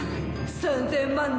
３，０００万年